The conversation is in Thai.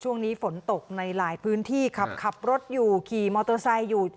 ช่วงนี้ฝนตกในหลายพื้นที่ขับรถอยู่ขี่มอเตอร์ไซค์อยู่